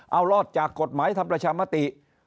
เอารอดจากกฎหมายทำประชามติ